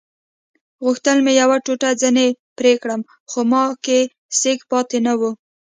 غوښتل مې یوه ټوټه ځینې پرې کړم خو ما کې سېک پاتې نه وو.